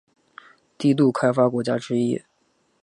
低度开发国家之一。